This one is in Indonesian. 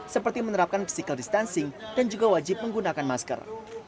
seperti menerapkan physical distancing dan juga wajib menggunakan masker